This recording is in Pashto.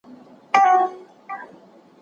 هغه تل په زړورتيا رښتيا وايي.